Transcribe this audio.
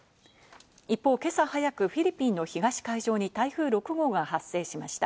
一方、今朝早くフィリピンの東海上に台風６号が発生しました。